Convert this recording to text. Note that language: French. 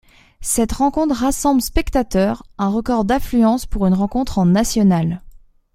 Cette rencontre rassemble spectateurs, un record d'affluence pour une rencontre en National.